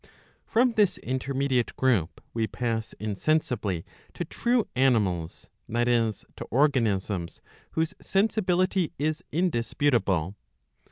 From this intermediate group we pass insensibly to true animals, that is, to organisms whose sensibility is in disputabl e.